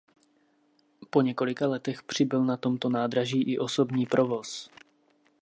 Po několika letech přibyl na tomto nádraží i osobní provoz.